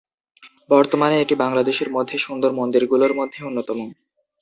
বর্তমানে এটি বাংলাদেশের মধ্যে সুন্দর মন্দির গুলোর মধ্যে অন্যতম।